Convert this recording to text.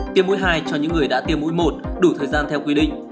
tiêm mũi hai cho những người đã tiêm mũi một đủ thời gian theo quy định